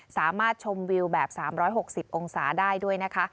สามารถชมวิวแบบ๓๖๐องศาได้ด้วยนะคะ